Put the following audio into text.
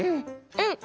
うん。